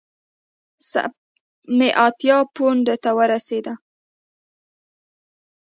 سپ مې اتیا پونډو ته ورسېده.